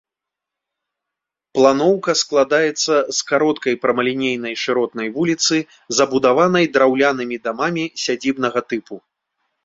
Планоўка складаецца з кароткай прамалінейнай шыротнай вуліцы, забудаванай драўлянымі дамамі сядзібнага тыпу.